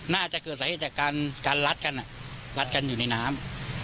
น่าจะเกิดสาเหตุจากการลัดกันรัดกันอยู่ในน้ำ